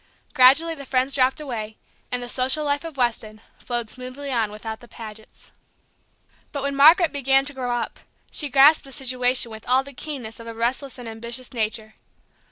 Gradually the friends dropped away, and the social life of Weston flowed smoothly on without the Pagets. But when Margaret began to grow up, she grasped the situation with all the keenness of a restless and ambitious nature.